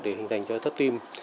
để hình thành cho thấp tim